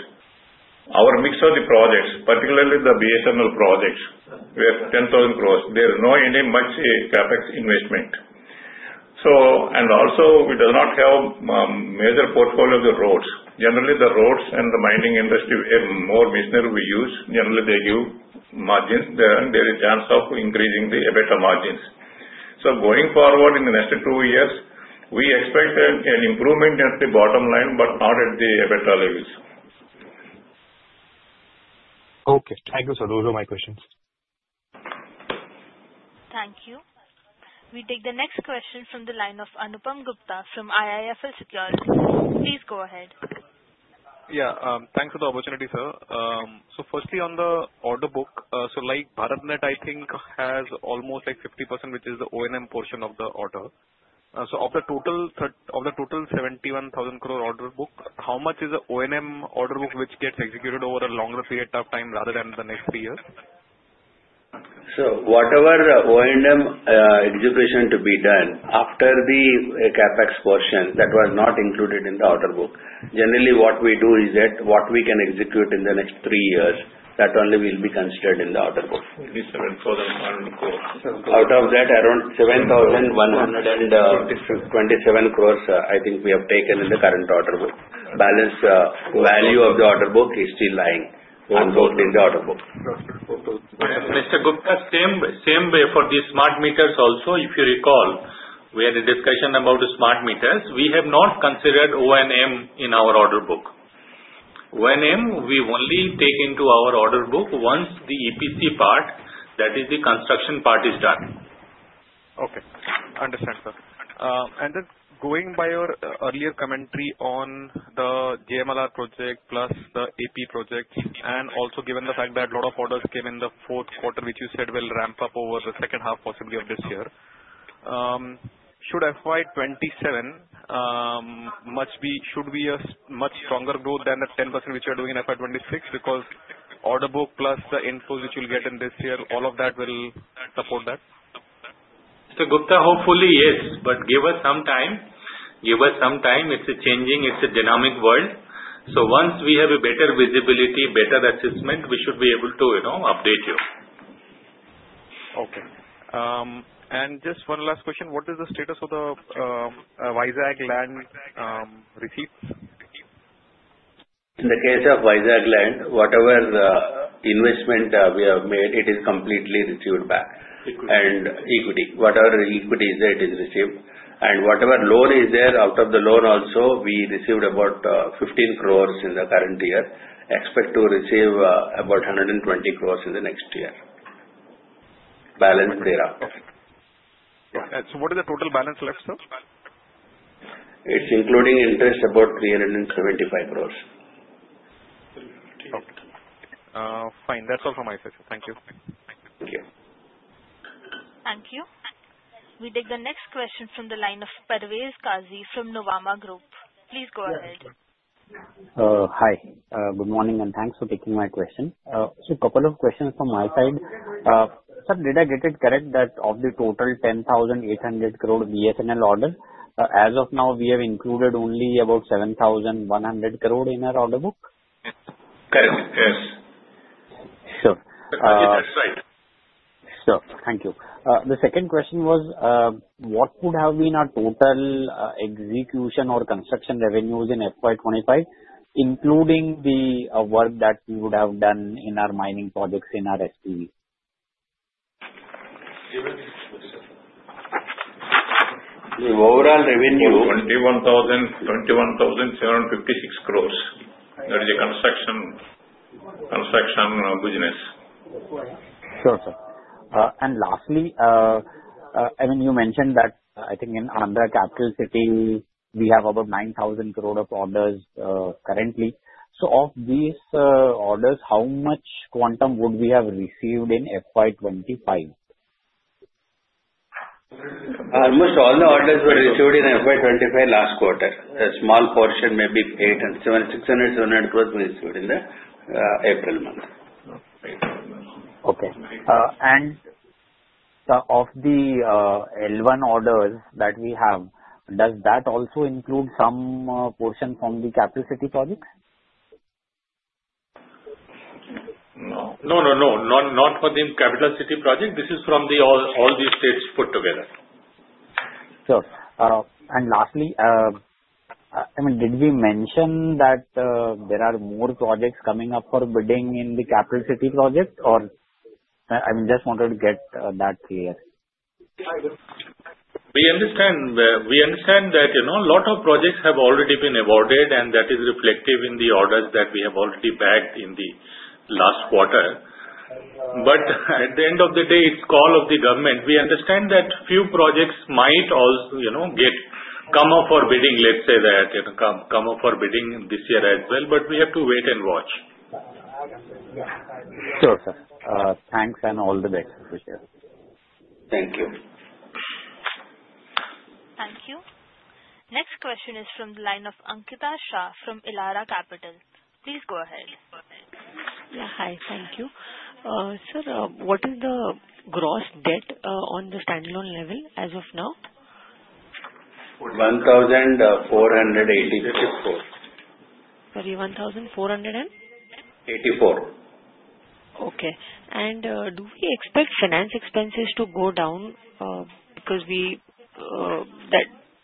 our mix of the projects, particularly the BSNL projects with 10,000 crore, there is not any much CapEx investment. And also, we do not have a major portfolio of the roads. Generally, the roads and the mining industry have more machinery we use. Generally, they give margins, and there is a chance of increasing the EBITDA margins. So going forward in the next two years, we expect an improvement at the bottom line but not at the EBITDA levels. Okay. Thank you, sir. Those were my questions. Thank you. We take the next question from the line of Anupam Gupta from IIFL Securities. Please go ahead. Yeah. Thanks for the opportunity, sir. So firstly, on the order book, so like BharatNet, I think, has almost like 50% which is the O&M portion of the order. So of the total 71,000 crore order book, how much is the O&M order book which gets executed over a longer period of time rather than the next three years? Whatever O&M execution to be done after the CapEx portion that was not included in the order book, generally what we do is that what we can execute in the next three years, that only will be considered in the order book. Out of that, around 7,127 crores, I think we have taken in the current order book. Balance value of the order book is still lying in the order book. Mr. Gupta, same for the smart meters also. If you recall, we had a discussion about smart meters. We have not considered O&M in our order book. O&M, we only take into our order book once the EPC part, that is, the construction part, is done. Okay. Understood, sir. And then going by your earlier commentary on the GMLR project plus the AP project, and also given the fact that a lot of orders came in the fourth quarter, which you said will ramp up over the second half possibly of this year, should FY27 we have much stronger growth than the 10% which we are doing in FY26 because order book plus the inflows which we'll get in this year, all of that will support that? So Gupta, hopefully, yes. But give us some time. Give us some time. It's a changing, it's a dynamic world. So once we have a better visibility, better assessment, we should be able to update you. Okay. Just one last question. What is the status of the Vizag land receipts? In the case of Vizag land, whatever investment we have made, it is completely received back and equity. Whatever equity is there, it is received and whatever loan is there, out of the loan also, we received about 15 crores in the current year. Expect to receive about 120 crores in the next year. Balance thereafter. What is the total balance left, sir? It's including interest about 375 crores. Okay. Fine. That's all from my side, sir. Thank you. Thank you. Thank you. We take the next question from the line of Parvez Qazi from Nuvama Group. Please go ahead. Hi. Good morning and thanks for taking my question. So a couple of questions from my side. Sir, did I get it correct that of the total 10,800 crore BSNL order, as of now, we have included only about 7,100 crore in our order book? Correct. Yes. Sure. That's right. Sure. Thank you. The second question was, what would have been our total execution or construction revenues in FY25, including the work that we would have done in our mining projects in our SPV? The overall revenue of 21,756 crores. That is a construction business. Sure, sir. And lastly, I mean, you mentioned that I think in Andhra capital city, we have about 9,000 crore of orders currently. So of these orders, how much quantum would we have received in FY25? Almost all the orders were received in FY25 last quarter. A small portion may be ₹600-₹700 crores we received in the April month. Okay. And of the L1 orders that we have, does that also include some portion from the capital city projects? No. No, no, no. Not for the capital city project. This is from all the states put together. Sure. And lastly, I mean, did we mention that there are more projects coming up for bidding in the capital city project? Or I mean, just wanted to get that clear. We understand that a lot of projects have already been awarded, and that is reflective in the orders that we have already bagged in the last quarter, but at the end of the day, it's the call of the government. We understand that a few projects might also come up for bidding, let's say that come up for bidding this year as well, but we have to wait and watch. Sure, sir. Thanks and all the best, Mr. Shah. Thank you. Thank you. Next question is from the line of Anupam Shah from Elara Capital. Please go ahead. Yeah. Hi. Thank you. Sir, what is the gross debt on the stand-alone level as of now? ₹1,484. Sorry. ₹1,400? 84. Okay. And do we expect finance expenses to go down because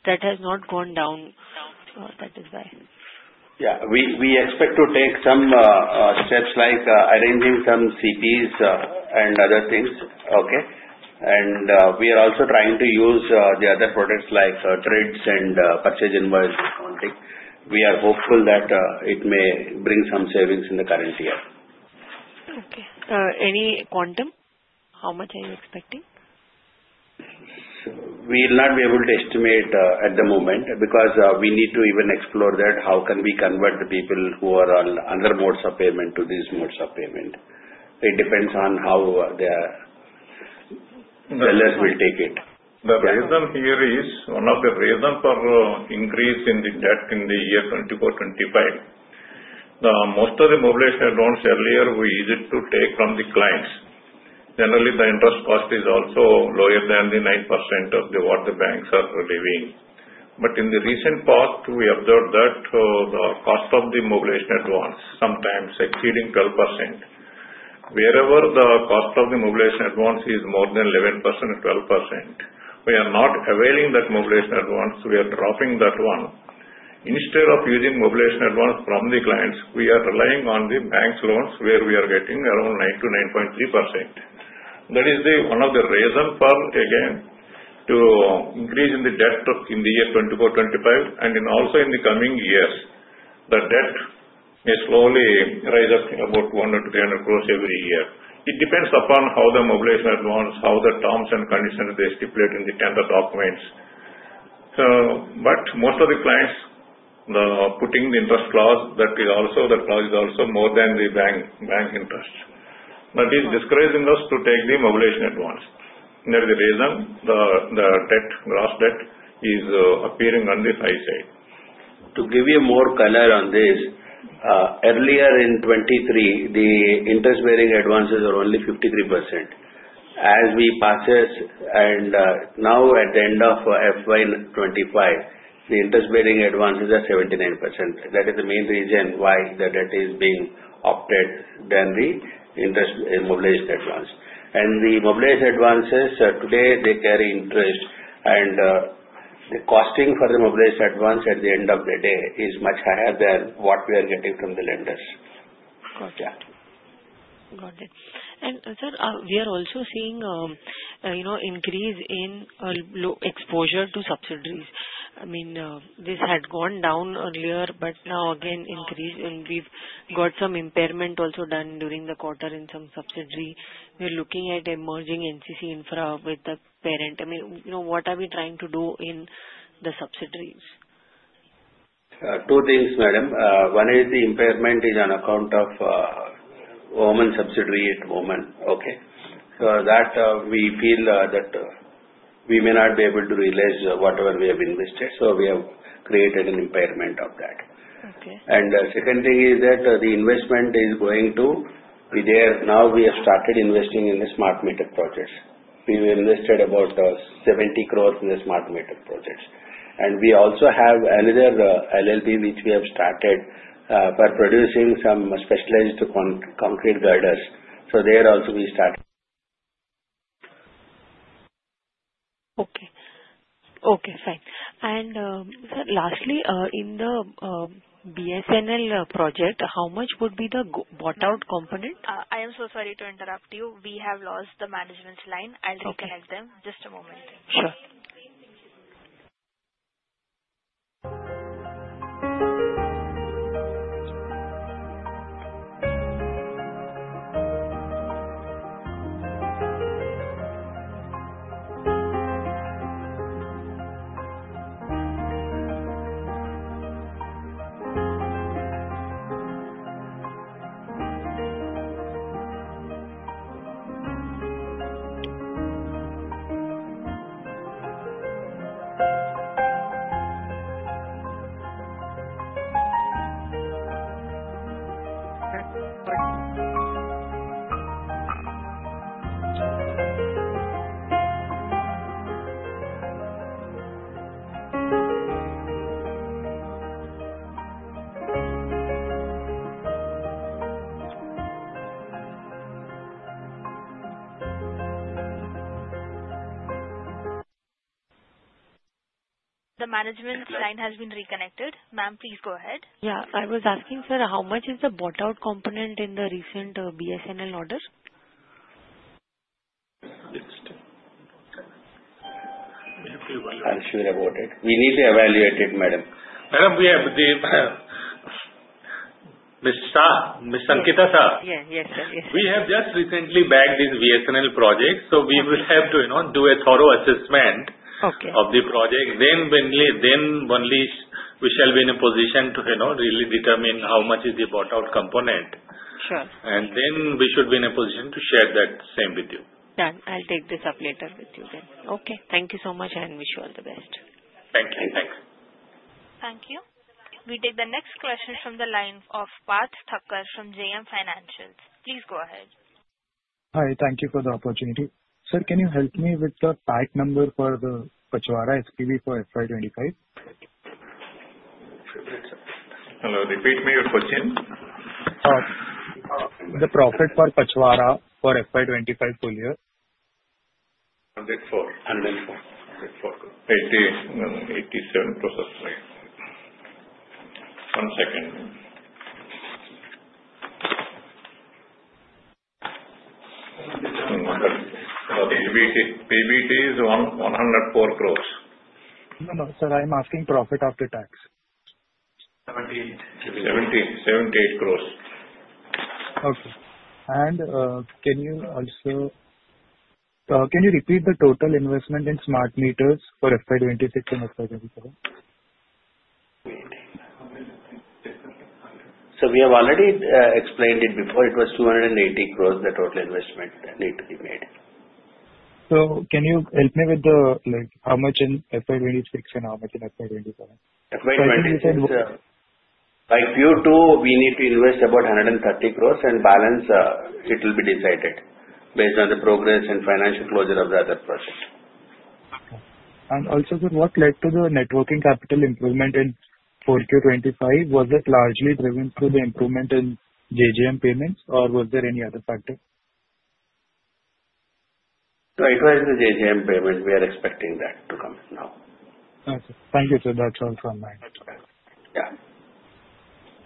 that has not gone down? That is why. Yeah. We expect to take some steps like arranging some CPs and other things. Okay? And we are also trying to use the other projects like TReDS and purchase invoice accounting. We are hopeful that it may bring some savings in the current year. Okay. Any quantum? How much are you expecting? We will not be able to estimate at the moment because we need to even explore that. How can we convert the people who are on other modes of payment to these modes of payment? It depends on how the sellers will take it. The reason here is one of the reason for increase in the debt in the year 2024, 2025. Most of the mobilization loans earlier were easy to take from the clients. Generally, the interest cost is also lower than the 9% of what the banks are lending. But in the recent past, we observed that the cost of the mobilization advance sometimes exceeding 12%. Wherever the cost of the mobilization advance is more than 11% or 12%, we are not availing that mobilization advance. We are dropping that one. Instead of using mobilization advance from the clients, we are relying on the bank's loans where we are getting around 9-9.3%. That is one of the reason for, again, to increase in the debt in the year 2024, 2025, and also in the coming years. The debt is slowly rising about ₹200-₹300 crores every year. It depends upon how the mobilization advance, how the terms and conditions they stipulate in the tender documents. But most of the clients, putting the interest clause, that is also the clause is also more than the bank interest. That is discouraging us to take the mobilization advance. That is the reason the debt, gross debt, is appearing on the high side. To give you more color on this, earlier in 2023, the interest-bearing advances were only 53%. As we pass and now at the end of FY 2025, the interest-bearing advances are 79%. That is the main reason why the debt is being opted than the interest mobilization advance. And the mobilization advances today, they carry interest. And the costing for the mobilization advance at the end of the day is much higher than what we are getting from the lenders. Got it. And, sir, we are also seeing increase in exposure to subsidiaries. I mean, this had gone down earlier, but now again increase. And we've got some impairment also done during the quarter in some subsidiary. We're looking at merging NCC Infra with the parent. I mean, what are we trying to do in the subsidiaries? Two things, madam. One is the impairment is on account of Oman subsidiary at Oman. Okay? So that we feel that we may not be able to realize whatever we have invested. So we have created an impairment of that. And the second thing is that the investment is going to be there. Now we have started investing in the smart meter projects. We have invested about 70 crores in the smart meter projects. And we also have another LLP which we have started for producing some specialized concrete girders. So there also we started. Okay. Okay. Fine, and sir, lastly, in the BSNL project, how much would be the bought-out component? I am so sorry to interrupt you. We have lost the management line. I'll reconnect them. Just a moment. Sure. The management line has been reconnected. Ma'am, please go ahead. Yeah. I was asking, sir, how much is the bought-out component in the recent BSNL order? I'm sure about it. We need to evaluate it, madam. Madam, we have the Ms. Shah, Ms. Anupam Shah. Yeah. Yes, sir. Yes. We have just recently bagged this BSNL project. So we will have to do a thorough assessment of the project. Then only we shall be in a position to really determine how much is the bought-out component. And then we should be in a position to share that same with you. Done. I'll take this up later with you then. Okay. Thank you so much. I wish you all the best. Thank you. Thanks. Thank you. We take the next question from the line of Parth Thakkar from JM Financial. Please go ahead. Hi. Thank you for the opportunity. Sir, can you help me with the PAC number for the Pachwara SPV for FY25? Hello. Repeat me your question. The profit for Pachwara for FY25 full year? 104. 104. 87%. One second. PBT is 104 crores. No, no. Sir, I'm asking profit after tax. 78. 78 crores. Okay. And can you also repeat the total investment in smart meters for FY26 and FY27? We have already explained it before. It was 280 crores the total investment that need to be made. So can you help me with the how much in FY26 and how much in FY27? FY26. By Q2, we need to invest about 130 crore and balance it will be decided based on the progress and financial closure of the other project. Okay. And also, sir, what led to the working capital improvement in 4Q25? Was it largely driven through the improvement in JJM payments or was there any other factor? So it was the GMLR payment. We are expecting that to come now. Okay. Thank you, sir. That's all from my side. Yeah.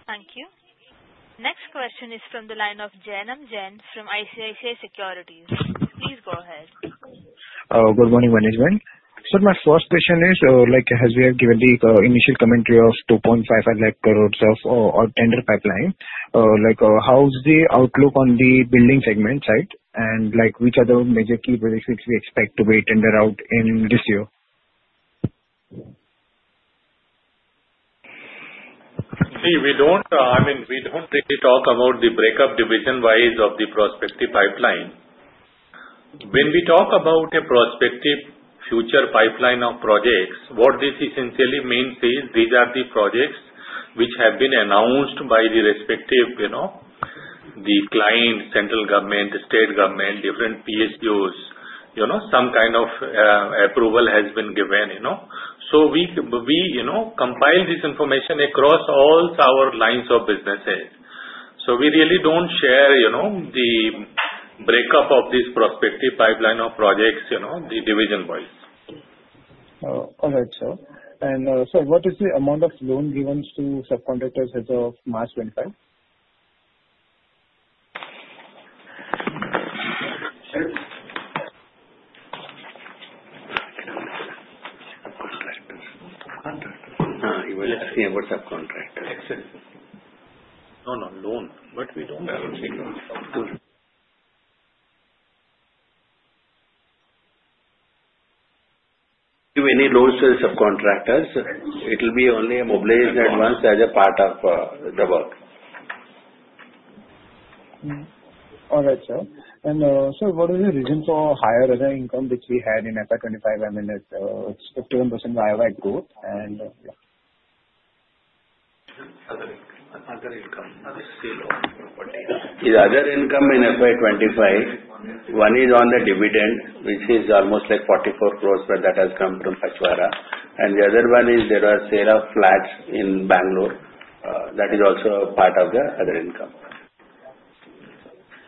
Thank you. Next question is from the line of Janam Jain from ICICI Securities. Please go ahead. Good morning, management. Sir, my first question is, as we have given the initial commentary of 2.55 crores of tender pipeline, how's the outlook on the building segment side? And which other major key projects which we expect to be tendered out in this year? See, I mean, we don't really talk about the breakup division-wise of the prospective pipeline. When we talk about a prospective future pipeline of projects, what this essentially means is these are the projects which have been announced by the respective client, central government, state government, different PSUs. Some kind of approval has been given. So we compile this information across all our lines of businesses. So we really don't share the breakup of this prospective pipeline of projects, the division-wise. All right, sir. And, sir, what is the amount of loan given to subcontractors as of March 25? You were asking about subcontractors. No, no loan. But we don't give any loan. Give any loans to the subcontractors. It will be only a mobilization advance as a part of the work. All right, sir. Sir, what is the reason for higher other income which we had in FY25? I mean, it's 51% YYI growth and yeah. Other income. Other sale of property. The other income in FY25, one is on the dividend, which is almost like 44 crores that has come from Pachwara. The other one is there was sale of flats in Bengaluru. That is also part of the other income.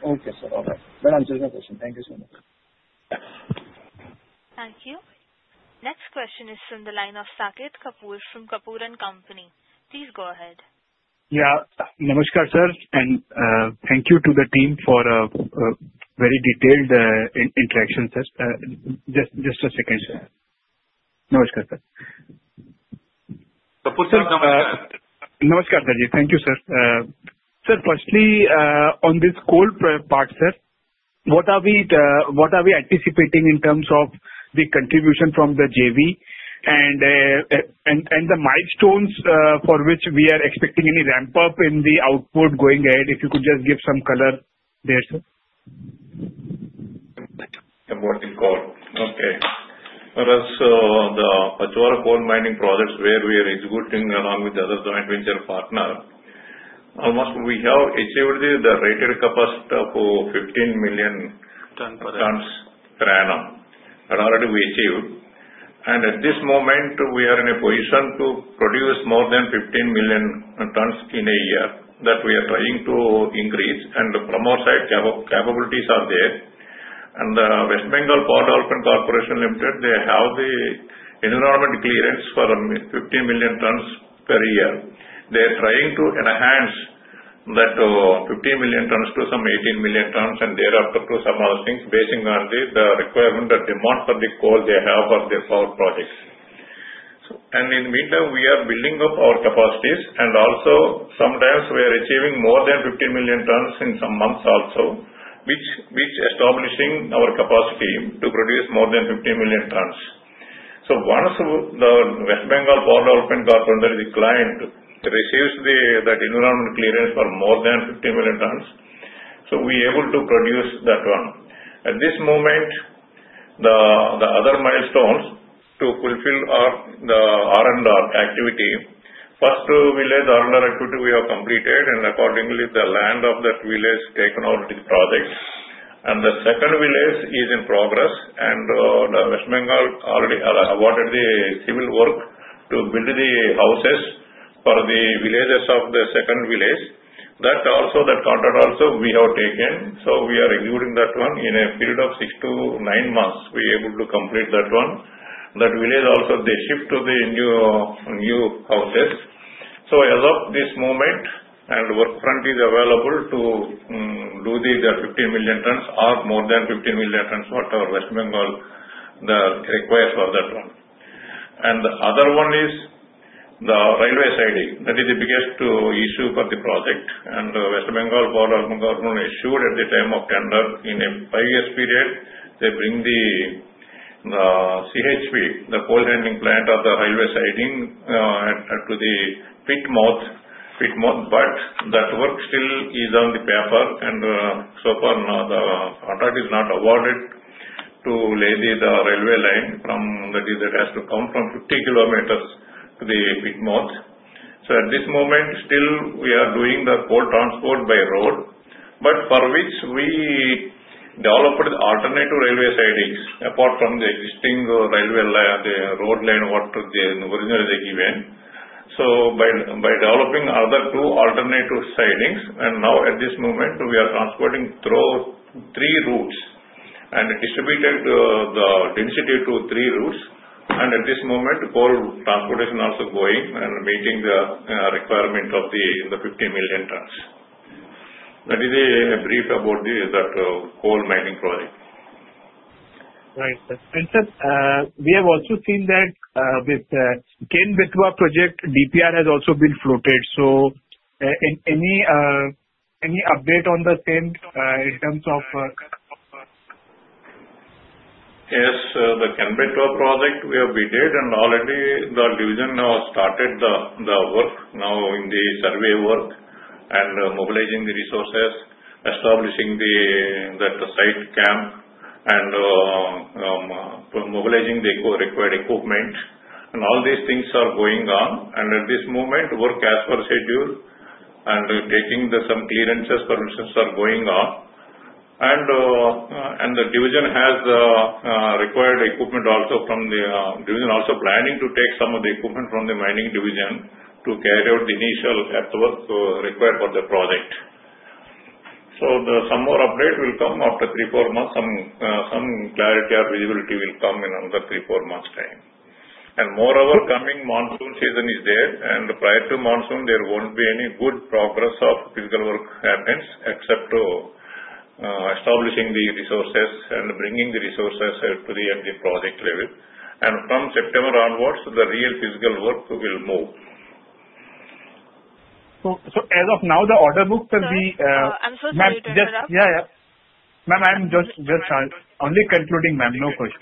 Okay, sir. All right, then I'm taking my question. Thank you so much. Yeah. Thank you. Next question is from the line of Sajit Kapoor from Kapoor & Company. Please go ahead. Yeah. Namaskar, sir. And thank you to the team for very detailed interaction, sir. Just a second, sir. Namaskar, sir. Kapoor, sir. Namaskar, sir. Thank you, Sir. Sir, firstly, on this coal part, sir, what are we anticipating in terms of the contribution from the JV and the milestones for which we are expecting any ramp-up in the output going ahead? If you could just give some color there, sir. What is called? Okay. What else? The Pachwara coal mining projects where we are executing along with the other joint venture partner. Almost we have achieved the rated capacity for 15 million tons per annum. Already we achieved. And at this moment, we are in a position to produce more than 15 million tons in a year that we are trying to increase. And the production side capabilities are there. And the West Bengal Power Development Corporation Limited, they have the environment clearance for 15 million tons per year. They are trying to enhance that 15 million tons to some 18 million tons and thereafter to some other things based on the requirement, the demand for the coal they have for their power projects, and in the meantime, we are building up our capacities, and also, sometimes we are achieving more than 15 million tons in some months also, which establishing our capacity to produce more than 15 million tons. So once the West Bengal Power Development Corporation, that is the client, receives that environmental clearance for more than 15 million tons, so we are able to produce that one. At this moment, the other milestones to fulfill the R&R activity. First village, the R&R activity we have completed. And accordingly, the land of that village is taken over to the project, and the second village is in progress. And the West Bengal already awarded the civil work to build the houses for the villages of the second village. That also, that contract also, we have taken. So we are executing that one in a period of six to nine months. We are able to complete that one. That village also, they shift to the new houses. So as of this moment, on work front is available to do the 15 million tons or more than 15 million tons, whatever West Bengal requires for that one. And the other one is the railway side. That is the biggest issue for the project. And West Bengal Power Development Corporation issued at the time of tender in a five-year period. They bring the CHP, the coal handling plant of the railway siding, to the pit mouth. But that work still is on paper. So far, the contract is not awarded to lay the railway line from that has to come from 50 km to the pit mouth. At this moment, still we are doing the coal transport by road. But for which we developed the alternative railway sidings apart from the existing railway, the railway line what the original is given. So by developing other two alternative sidings. And now at this moment, we are transporting through three routes and distributed the density to three routes. And at this moment, coal transportation also going and meeting the requirement of the 15 million tons. That is a brief about that coal mining project. Right. And sir, we have also seen that with Ken-Betwa project, DPR has also been floated. So any update on the same in terms of? Yes. The Ken-Betwa project, we have bid it, and already the division has started the work now in the survey work and mobilizing the resources, establishing that site camp and mobilizing the required equipment, and all these things are going on, and at this moment, work as per schedule and taking some clearances permissions are going on, and the division has the required equipment also from the division also planning to take some of the equipment from the Mining Division to carry out the initial work required for the project. So some more update will come after 3-4 months. Some clarity or visibility will come in another 3-4 months' time, and moreover, coming monsoon season is there, and prior to monsoon, there won't be any good progress of physical work happens except establishing the resources and bringing the resources to the end of the project level. From September onwards, the real physical work will move. So as of now, the order book, sir, we might just. I'm so sorry to interrupt. Yeah, yeah. Ma'am, I'm just only concluding, ma'am. No question.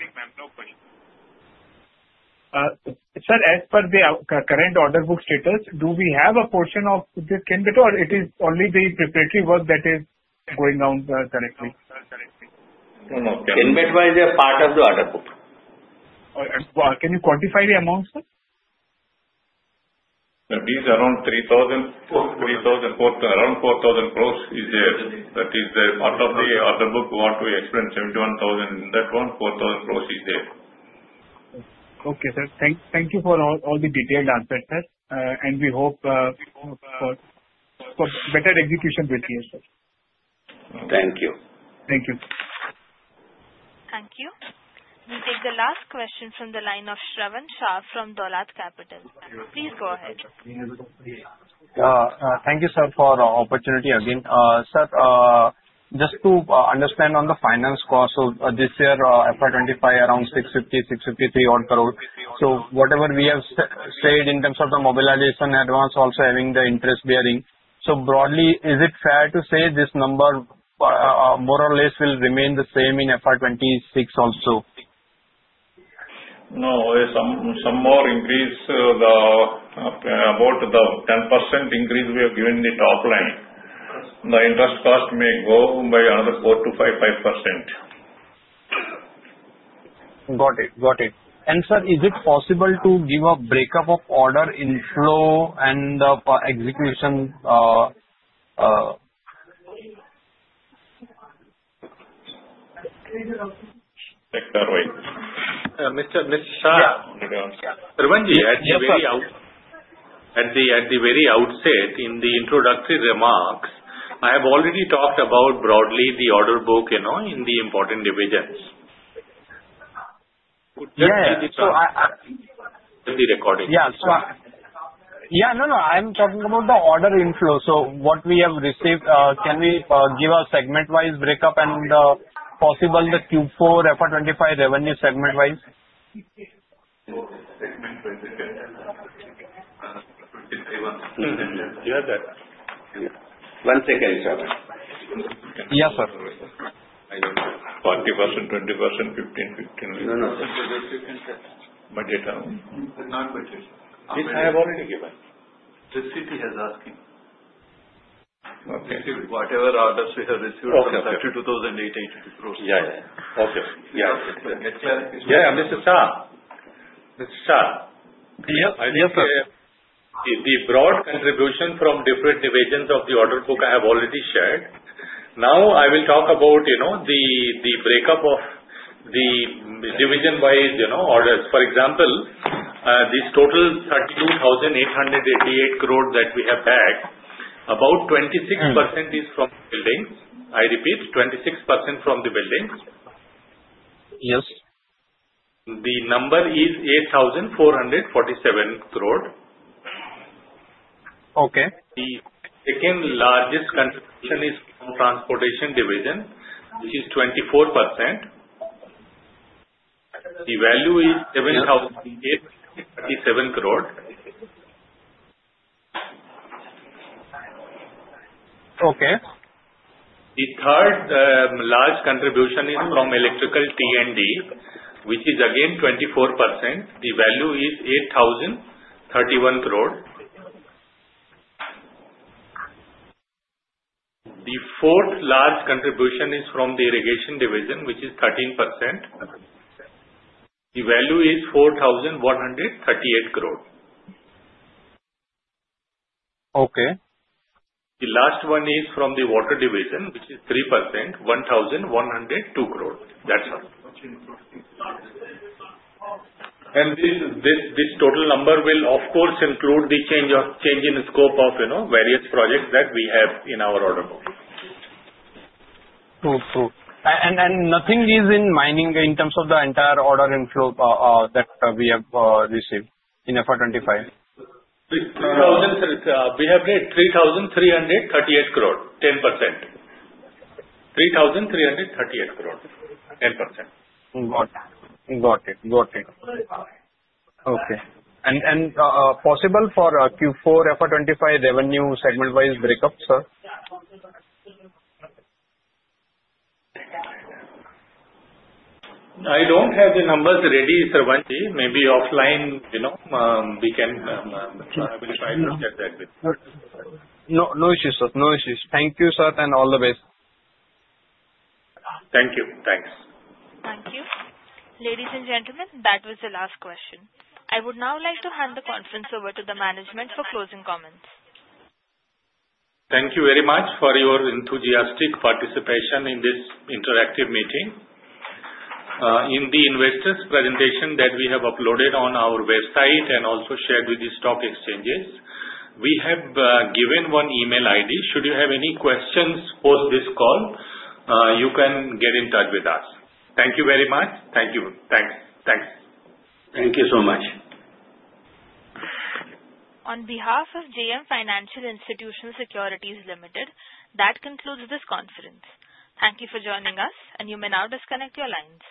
Sir, as per the current order book status, do we have a portion of the Ken-Betwa or it is only the preparatory work that is going on currently? No. Ken-Betwa is a part of the order book. Can you quantify the amount, sir? That is around 3,000 crores. Around 4,000 crores is there. That is the part of the order book we want to explain. 71,000 in that one. 4,000 crores is there. Okay, sir. Thank you for all the detailed answers, sir. And we hope for better execution with you, sir. Thank you. Thank you. Thank you. We take the last question from the line of Shravan Shah from Dolat Capital. Please go ahead. Thank you, sir, for the opportunity again. Sir, just to understand on the finance cost of this year, FY25, around 650-653 crore. So whatever we have said in terms of the mobilization advance, also having the interest-bearing. So broadly, is it fair to say this number more or less will remain the same in FY26 also? No. Some more increase, about the 10% increase we have given the top line. The interest cost may go by another 4%-5%. Got it. Got it. And sir, is it possible to give a break-up of order inflow and the execution? Sector-wise. Mr. Shah? Raju, at the very outset, in the introductory remarks, I have already talked about broadly the order book in the important divisions. Would that be the recording? Yeah. Yeah. No, no. I'm talking about the order inflow. So what we have received, can we give a segment-wise breakup and possibly the Q4 FY25 revenue segment-wise? You have that? One second, Shravan. Yes, sir. 40%, 20%, 15%. But it. I have already given. They have been asking. Whatever orders we have received, 32,882 crores. Yeah. Yeah. Okay. Yeah. Yeah. Mr. Shah. Mr. Shah. Yes, sir. The broad contribution from different divisions of the order book I have already shared. Now I will talk about the breakup of the division-wise orders. For example, this total 32,888 crores that we have had, about 26% is from the buildings. I repeat, 26% from the buildings. Yes. The number is 8,447 crores. Okay. The second largest contribution is from transportation division, which is 24%. The value is INR 7,037 crores. Okay. The third large contribution is from electrical T&D, which is again 24%. The value is 8,031 crores. The fourth large contribution is from the Irrigation Division, which is 13%. The value is INR 4,138 crores. Okay. The last one is from the Water Division, which is 3%, 1,102 crores. That's all. And this total number will, of course, include the change in scope of various projects that we have in our order book. True. True. And nothing is in mining in terms of the entire order inflow that we have received in FY25? We have made 3,338 crores, 10%. Got it. Got it. Okay and possible for Q4 FY25 revenue segment-wise breakup, sir? I don't have the numbers ready, Shravan. Maybe offline, we can try to get that with you. No issues, sir. No issues. Thank you, sir, and all the best. Thank you. Thanks. Thank you. Ladies and gentlemen, that was the last question. I would now like to hand the conference over to the management for closing comments. Thank you very much for your enthusiastic participation in this interactive meeting. In the investors' presentation that we have uploaded on our website and also shared with the stock exchanges, we have given one email ID. Should you have any questions post this call, you can get in touch with us. Thank you very much. Thank you. Thanks. Thanks. Thank you so much. On behalf of JM Financial Institutional Securities Limited, that concludes this conference. Thank you for joining us, and you may now disconnect your lines.